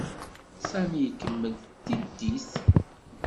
Sami ikemmel tiddit.